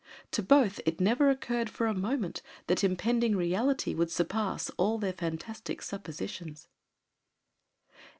To both it never occurred for a moment that impending reality would surpass all their fantastic suppositions.